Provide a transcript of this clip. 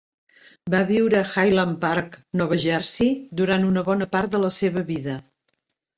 Va viure a Highland Park, Nova Jersey, durant una bona part de la seva vida.